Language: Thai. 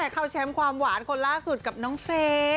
เข้าแชมป์ความหวานคนล่าสุดกับน้องเฟย์